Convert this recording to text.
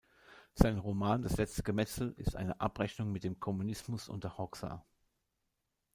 Sein Roman "Das letzte Gemetzel" ist eine Abrechnung mit dem Kommunismus unter Hoxha.